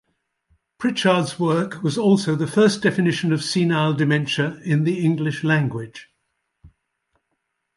Prichard's work was also the first definition of senile dementia in the English language.